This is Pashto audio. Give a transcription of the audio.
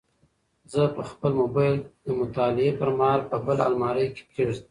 زه به خپل موبایل د مطالعې پر مهال په بل المارۍ کې کېږدم.